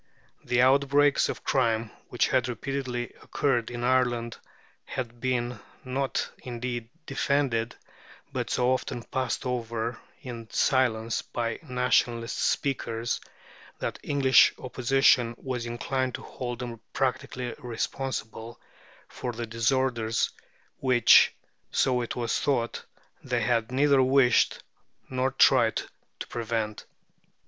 The outbreaks of crime which had repeatedly occurred in Ireland had been, not, indeed, defended, but so often passed over in silence by Nationalist speakers, that English opinion was inclined to hold them practically responsible for disorders which, so it was thought, they had neither wished nor tried to prevent.